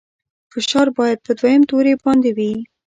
فشار باید په دویم توري باندې وي.